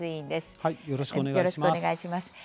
よろしくお願いします。